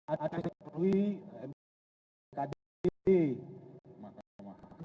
ada yang menurut saya m k d